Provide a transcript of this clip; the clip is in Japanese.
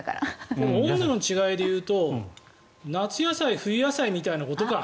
じゃあ温度の違いでいうと夏野菜、冬野菜みたいなことか？